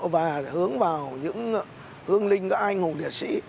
và hướng vào những hương linh các anh hùng liệt sĩ